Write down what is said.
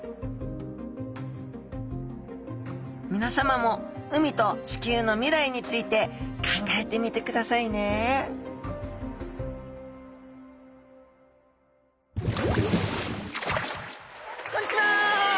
みなさまも海と地球の未来について考えてみてくださいねこんにちは！